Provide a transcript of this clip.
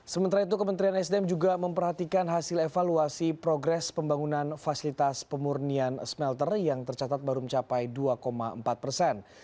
sementara itu kementerian sdm juga memperhatikan hasil evaluasi progres pembangunan fasilitas pemurnian smelter yang tercatat baru mencapai dua empat persen